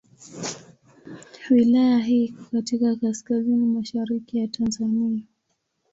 Wilaya hii iko katika kaskazini mashariki ya Tanzania.